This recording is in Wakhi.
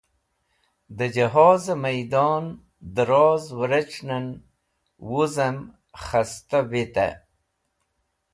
De Johoze Maidon Dẽroz Wirec̃hnen wuzem khasta Witey